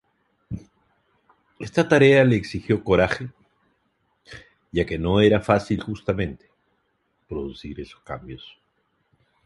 Esta tarea le exigió coraje, ya que no era fácil justamente, producir esos cambios.